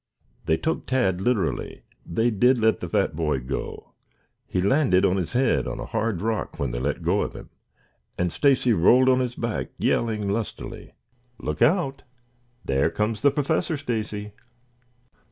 They took Tad literally. They did let the fat boy go. He landed on his head on a hard rock when they let go of him, and Stacy rolled on his back yelling lustily. "Look out! There comes the Professor Stacy."